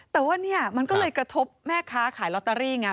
แต่ว่าเนี่ยมันก็เลยกระทบแม่ค้าขายลอตเตอรี่ไง